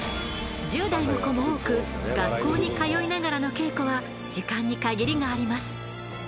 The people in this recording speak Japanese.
１０代の子も多く学校に通いながらの稽古は時間に限りがあります。